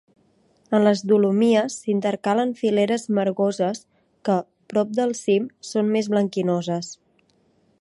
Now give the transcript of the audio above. En les dolomies s’intercalen fileres margoses que, prop del cim, són més blanquinoses.